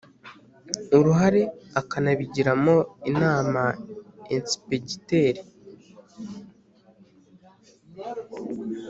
uruhare akanabigiramo inama Ensipegiteri